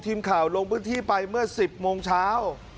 ทีมข่าวลงพื้นที่ไปเมื่อ๑๐โมงเช้า